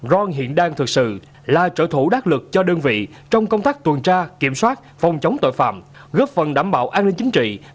rong hiện đang thực sự là trợ thủ đắc lực cho đơn vị trong công tác tuần tra kiểm soát phòng chống tội phạm góp phần đảm bảo an ninh chính trị